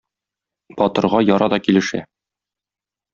Батырга яра да килешә.